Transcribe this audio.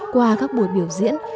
qua các buổi biểu diễn